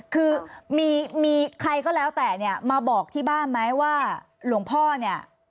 คือมีใครก็แล้วแต่เนี่ยมาบอกที่บ้านไหมว่าหลวงพ่อเนี่ย